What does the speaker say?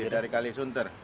dari kali suntar